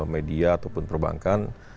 media ataupun perbankan